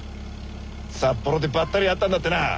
札幌でばったり会ったんだってな。